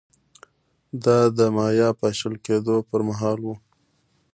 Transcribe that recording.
دا د مایا پاشل کېدو پرمهال و